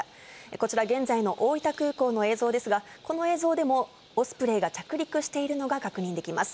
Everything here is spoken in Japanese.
こちら、現在の大分空港の映像ですが、この映像でも、オスプレイが着陸しているのが確認できます。